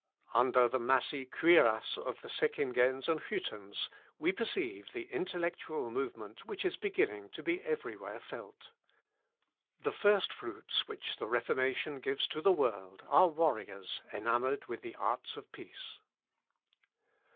Under the massy cuirass of the Seckingens and Hüttens, we perceive the intellectual movement which is beginning to be everywhere felt. The first fruits which the Reformation gives to the world are warriors enamoured with the arts of peace.